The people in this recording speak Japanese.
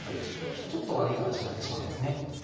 ちょっと悪い形になってしまうんです。